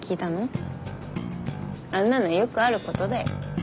あんなのよくあることだよ。